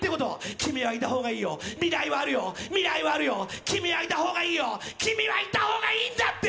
君はいた方がいいよ、未来はあるよ、君はいた方がいいよ、君はいた方がいいんだって！